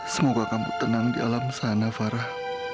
semoga kamu tenang di alam sana farah